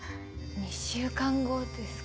２週間後ですか。